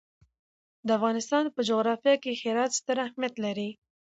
د افغانستان په جغرافیه کې هرات ستر اهمیت لري.